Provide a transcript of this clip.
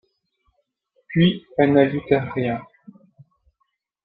Puis, elles n’ajoutèrent rien.